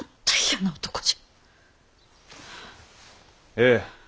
ええ。